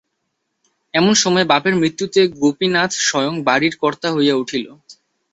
এমন সময়ে বাপের মৃত্যুতে গোপীনাথ স্বয়ং বাড়ির কর্তা হইয়া উঠিল।